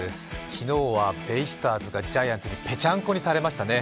昨日はベイスターズがジャイアンツにぺちゃんこにされましたね。